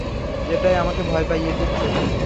এটাই আমাকে ভয় পাইয়ে দিচ্ছে!